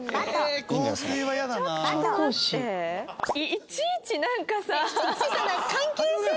いちいちなんかさ。